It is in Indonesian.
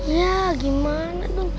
ya gimana dong